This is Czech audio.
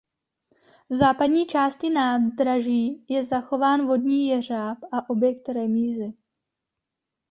V západní části nádraží je zachován vodní jeřáb a objekt remízy.